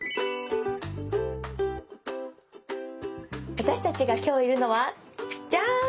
私たちが今日いるのはじゃん！